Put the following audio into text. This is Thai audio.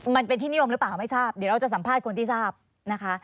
มันเป็นที่นิยมหรือเปล่าไม่ทราบเดี๋ยวเราจะสัมภาษณ์คนที่ทราบนะคะ